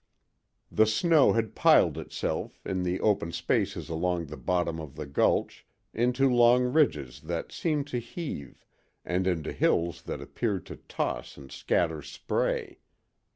The snow had piled itself, in the open spaces along the bottom of the gulch, into long ridges that seemed to heave, and into hills that appeared to toss and scatter spray.